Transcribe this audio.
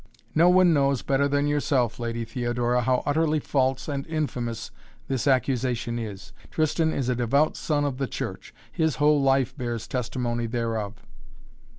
"No one knows better than yourself, Lady Theodora, how utterly false and infamous this accusation is. Tristan is a devout son of the Church. His whole life bears testimony thereof."